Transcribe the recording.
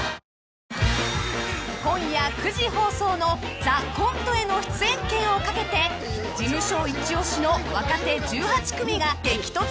［今夜９時放送の『ＴＨＥＣＯＮＴＥ』への出演権を懸けて事務所一押しの若手１８組が激突中］